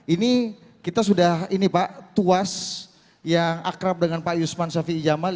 ini kita sudah ini pak tuas yang akrab dengan pak yusman shafi iyamal